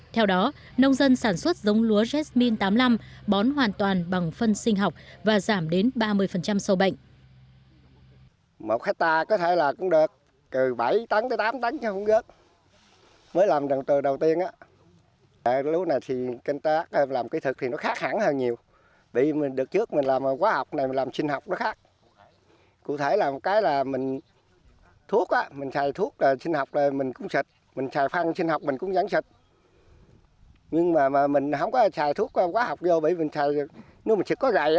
theo đó nông dân sản xuất giống lúa jasmine tám mươi năm bón hoàn toàn bằng phân sinh học và giảm đến ba mươi sâu bệnh